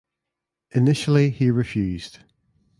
Initially he refused.